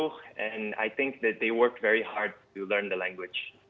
dan saya pikir mereka bekerja sangat keras untuk belajar bahasa